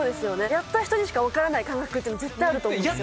やった人しか分からない感覚って絶対あると思うんですよね。